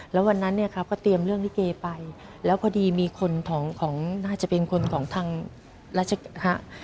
แล้ววันนั้นเนี่ยครับก็เตรียมเรื่องลิเกไปแล้วพอดีมีคนของของน่าจะเป็นคนของทางราชการฮะ